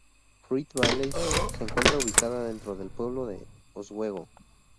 Fruit Valley se encuentra ubicada dentro del pueblo de Oswego.